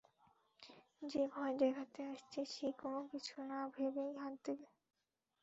যে ভয় দেখাতে আসছে, সে কোনো কিছুনা-ভেবেই হাত দেবে।